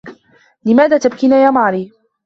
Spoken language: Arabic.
لماذا تبكين يا ماري؟